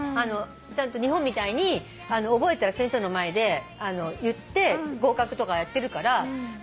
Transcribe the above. ちゃんと日本みたいに覚えたら先生の前で言って合格とかやってるから。